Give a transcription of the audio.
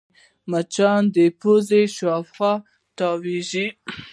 مچان د پوزې شاوخوا تاوېږي